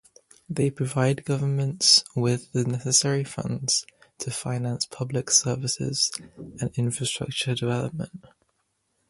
They provide governments with the necessary funds to finance public services and infrastructure development.